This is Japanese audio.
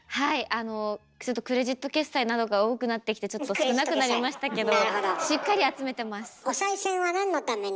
あのクレジット決済などが多くなってきてちょっと少なくなりましたけどしっかり集めてます。